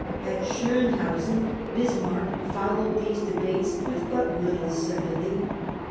At Schonhausen, Bismarck followed these debates with but little sympathy.